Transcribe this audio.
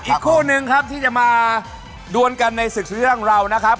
อีกคู่นึงครับที่จะมาดวนกันในศึกเรื่องเรานะครับ